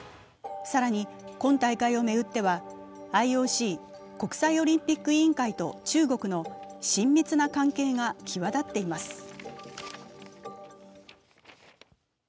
更に、今大会を巡ってはＩＯＣ＝国際オリンピック委員会と中国の親密な関係が際立っています。